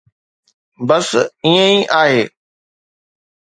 بس ائين ئي آهي.